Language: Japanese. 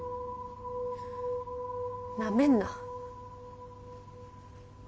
なめんな。